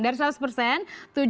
dari seratus persen